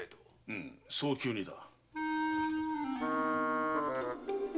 うむ早急にだ。